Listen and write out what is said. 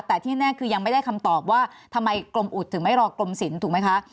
แต่ที่แน่คือยังไม่ได้คำตอบว่าทำไมกรมอุดถึงไม่รอกรมศิลป์ถูกไหมคะ